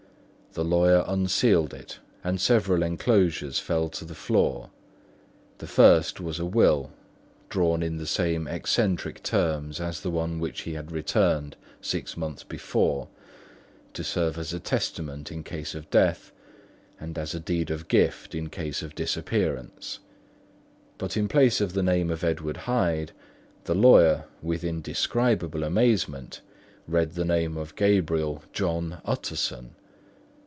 The lawyer unsealed it, and several enclosures fell to the floor. The first was a will, drawn in the same eccentric terms as the one which he had returned six months before, to serve as a testament in case of death and as a deed of gift in case of disappearance; but in place of the name of Edward Hyde, the lawyer, with indescribable amazement read the name of Gabriel John Utterson.